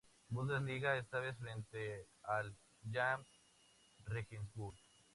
Bundesliga, esta vez frente al Jahn Regensburg.